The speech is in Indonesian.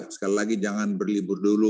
sekali lagi jangan berlibur dulu